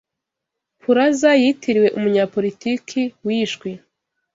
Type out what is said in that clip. Pulaza yitiriwe umunyapolitiki wishwe